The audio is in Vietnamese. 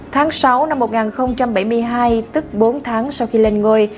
tháng sáu năm một nghìn bảy mươi hai tức bốn tháng sau khi lên ngôi